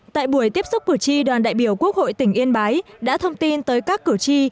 tại buổi tiếp xúc cử tri đoàn đại biểu quốc hội tỉnh yên bái đã thông tin tới các cử tri